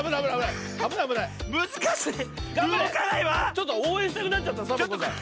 ちょっとおうえんしたくなっちゃったサボ子さん。